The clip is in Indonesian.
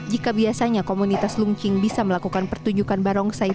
jika biasanya komunitas lungching bisa melakukan pertunjukan barongsai